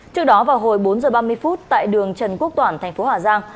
trước đó vào hồi bốn h ba mươi phút tại đường trần quốc toản tp hà giang